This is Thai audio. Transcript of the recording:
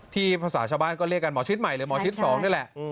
ภาษาชาวบ้านก็เรียกกันหมอชิดใหม่หรือหมอชิด๒นี่แหละ